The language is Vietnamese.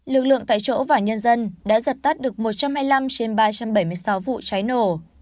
lực lượng tại chỗ và nhân dân đã dập tắt được một trăm hai mươi năm trên ba trăm bảy mươi sáu vụ cháy nổ